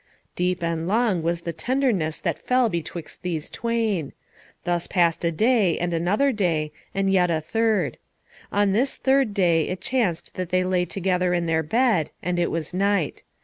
Deep and long was the tenderness that fell betwixt these twain. Thus passed a day, and another day, and yet a third. On this third day it chanced that they lay together in their bed, and it was night.